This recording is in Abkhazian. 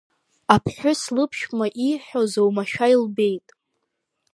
Аԥҳәыс лыԥшәма ииҳәаз оумашәа илбеит.